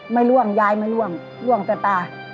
ล่วงยายไม่ล่วงล่วงแต่ตา